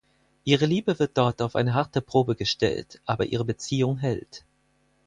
Ihre Liebe wird dort auf eine harte Probe gestellt, aber ihre Beziehung hält.